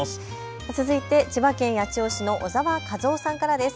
続いて千葉県八千代市の小澤一雄さんからです。